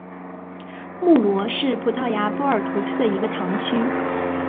穆罗是葡萄牙波尔图区的一个堂区。